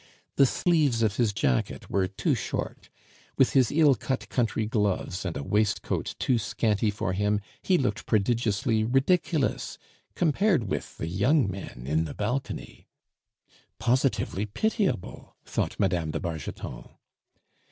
The sleeves of his jacket were too short; with his ill cut country gloves and a waistcoat too scanty for him, he looked prodigiously ridiculous, compared with the young men in the balcony "positively pitiable," thought Mme. de Bargeton.